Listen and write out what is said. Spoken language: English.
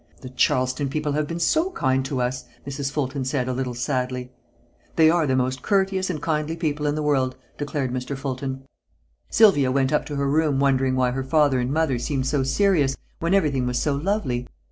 "The Charleston people have been so kind to us," Mrs. Fulton said, a little sadly. "They are the most courteous and kindly people in the world," declared Mr. Fulton. Sylvia went up to her room wondering why her mother and father seemed so serious, when everything was so lovely.